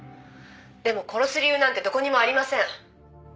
「でも殺す理由なんてどこにもありません」